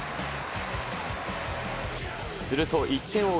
すると１点を追う